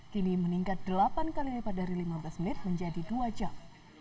kini meningkat delapan kali lipat dari lima belas menit menjadi dua jam